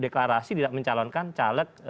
deklarasi tidak mencalonkan caleg